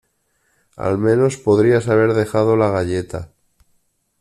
Al menos podrías haber dejado la galleta.